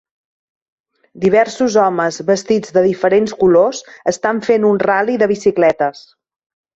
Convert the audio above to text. Diversos homes vestits de diferents colors estan fent un ral·li de bicicletes.